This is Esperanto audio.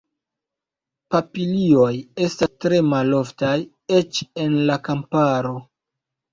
Papilioj estas tre maloftaj, eĉ en la kamparo.